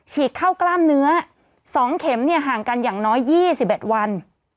เข้ากล้ามเนื้อ๒เข็มห่างกันอย่างน้อย๒๑วัน